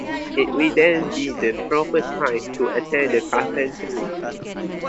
It will then be the proper time to attend to the carpentry